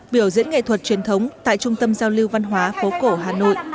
biểu diễn nghệ thuật truyền thống tại trung tâm giao lưu văn hóa phố cổ hà nội